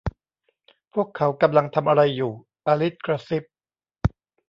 'พวกเขากำลังทำอะไรอยู่' อลิซกระซิบ